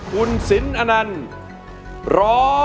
คุณศิลป์อนันทร์๑๐๐